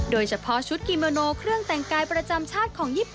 โดยเฉพาะชุดกิเมโนเครื่องแต่งกายประจำชาติ